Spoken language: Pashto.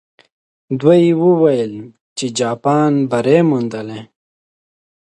دوی وویل چې جاپان بری موندلی.